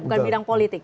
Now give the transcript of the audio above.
bukan bidang politik